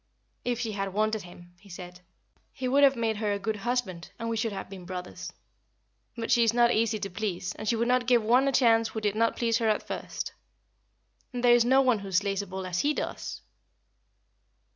"If she had wanted him," he said, "he would have made her a good husband, and we should have been brothers. But she is not easy to please, and she would not give one a chance who did not please her at first. And there is no one who slays a bull as he does!"